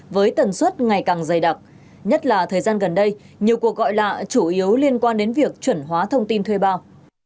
với tần suất ngày càng dày đặc nhất là thời gian gần đây nhiều cuộc gọi lạ chủ yếu liên quan đến việc chuẩn hóa thông tin thuê bao